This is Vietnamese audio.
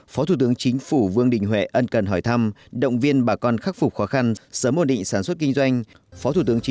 phó thủ tướng chính phủ vương đình huệ ân cần hỏi thăm động viên bà con khắc phục khó khăn sớm ổn định sản xuất kinh doanh